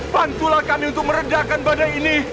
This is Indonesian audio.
bantulah kami untuk meredakan badai ini